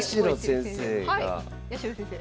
八代先生が。